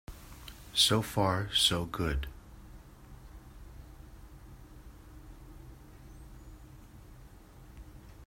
So far so good.